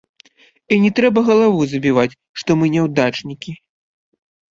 І не трэба галаву забіваць, што мы няўдачнікі.